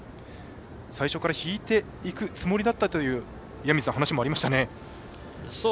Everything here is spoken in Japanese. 最初から引いていくつもりだったという話もありましたね。